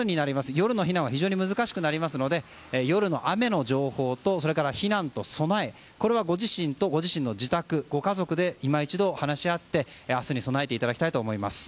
夜の避難は非常に難しくなるので夜の雨の情報とそれから避難と備えはご自身とご自身のご家族と今一度話し合って明日に備えていただきたいと思います。